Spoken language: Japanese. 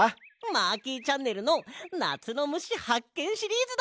マーキーチャンネルの「なつのむしはっけんシリーズ」だ！